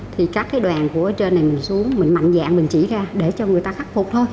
thì các cái đoàn của ở trên này mình xuống mình mạnh dạng mình chỉ ra để cho người ta khắc phục thôi